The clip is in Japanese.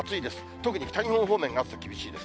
特に北日本方面、暑さ厳しいです。